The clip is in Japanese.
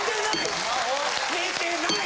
寝てない！